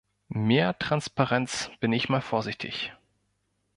Mehr Transparenz bin ich mal vorsichtig.